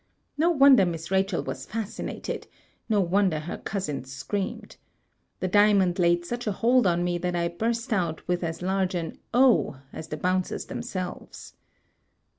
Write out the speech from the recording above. No wonder Miss Rachel was fascinated; no wonder her cousins screamed. The Dia mond laid such a hold on me that I burst out with as large an ' O !' as the Bouncers themselves.